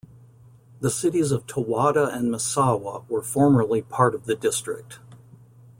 The cities of Towada and Misawa were formerly part of the district.